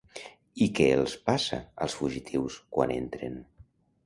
I què els passa, als fugitius, quan entren?